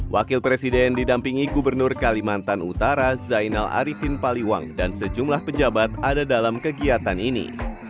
wakil presiden didampingi gubernur kalimantan utara zainal arifin paliwang dan sejumlah pejabat ada dalam kegiatan ini